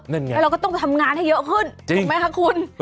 เราก็ต้องทำงานให้เยอะขึ้นถูกไหมคะคุณ